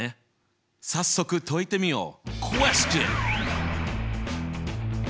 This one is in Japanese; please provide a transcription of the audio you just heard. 早速解いてみよう。